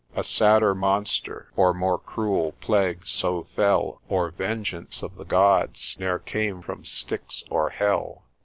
A sadder monster, or more cruel plague so fell, Or vengeance of the gods, ne'er came from Styx or Hell.